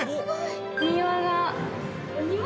庭が。